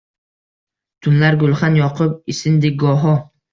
Tunlar gulxan yoqib, isindik goho